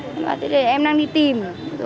thế thì em đang đi tìm